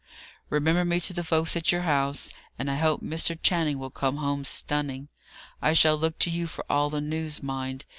Remember me to the folks at your house, and I hope Mr. Channing will come home stunning. I shall look to you for all the news, mind!